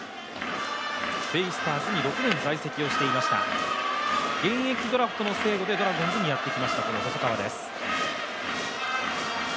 ベイスターズに６年在籍していました、現役ドラフトの制度でやってきました細川です。